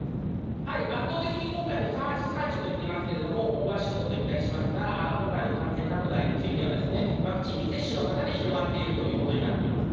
圧倒的に今回のサージ、サージと言ってますけども、パシュートと言ったりしますけど、今回の感染拡大については、ワクチン未接種の方で広がっているということになりますね。